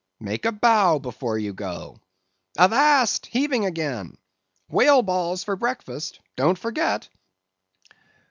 make a bow before you go.—Avast heaving again! Whale balls for breakfast—don't forget."